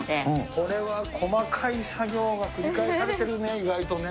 これは細かい作業が繰り返されてるね、意外とね。